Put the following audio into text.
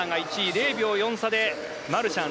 ０秒４差でマルシャン。